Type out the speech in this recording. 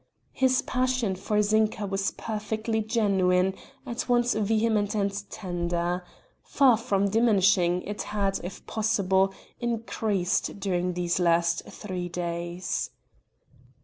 His passion for Zinka was perfectly genuine, at once vehement and tender; far from diminishing, it had, if possible, increased during these last three days.